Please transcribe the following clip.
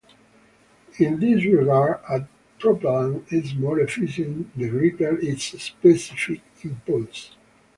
In this regard a propellant is more efficient the greater its specific impulse.